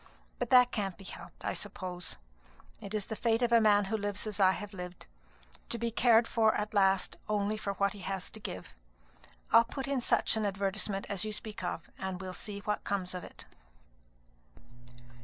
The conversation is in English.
But that can't be helped, I suppose; it is the fate of a man who lives as I have lived, to be cared for at last only for what he has to give. I'll put in such an advertisement as you speak of; and we'll see what comes of it."